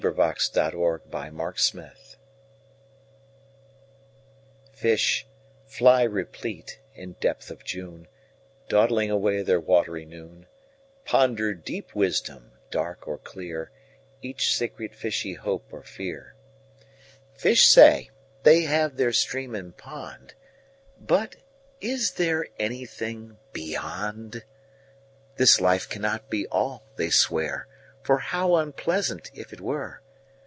PR 6003 R4N5 Robarts Library 1Fish (fly replete, in depth of June,2Dawdling away their wat'ry noon)3Ponder deep wisdom, dark or clear,4Each secret fishy hope or fear.5Fish say, they have their Stream and Pond;6But is there anything Beyond?7This life cannot be All, they swear,8For how unpleasant, if it were!